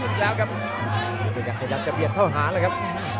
ยุทธิกักพยายามจะเบียดเข้าหาแล้วครับ